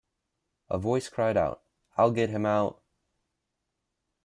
A voice cried out, "I'll get him out!".